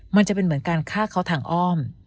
มันจะเป็นเหมือนการฆ่าเขาทางอ้อม